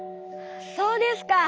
そうですか。